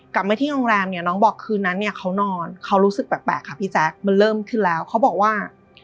กลับมาที่โรงแรมเนี่ยน้องบอกคืนนั้นเนี่ยเขานอนเขารู้สึกแปลกค่ะพี่แจ๊คมันเริ่มขึ้นแล้วเขาบอกว่า